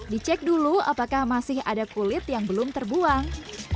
dicek dulu apakah masih ada kulit yang belum terbuang